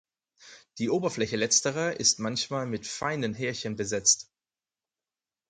Die Oberfläche Letzterer ist manchmal mit feinen Härchen besetzt.